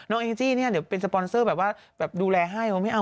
น้องเอ็งจี้นี่เดี๋ยวเป็นสปอนเซอร์แบบว่าดูแลให้ก็ไม่เอา